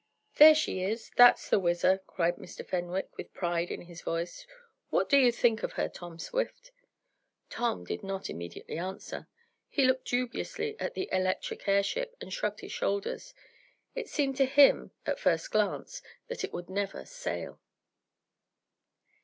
"There she is! That's the WHIZZER!" cried Mr. Fenwick, with pride in his voice. "What do you think of her, Tom Swift?" Tom did not immediately answer. He looked dubiously at the electric airship and shrugged his shoulders. It seemed to him, at first glance, that, it would never sail.